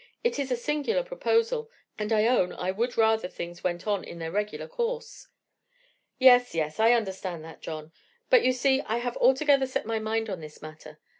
It is a singular proposal, and I own I would rather things went on in their regular course." "Yes, yes, I understand that, John; but you see I have altogether set my mind on this matter.